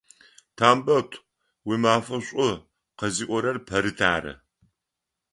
Тамбот, уимафэ шӏу, къэзыӏорэр Пэрыт ары!